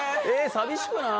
寂しくない？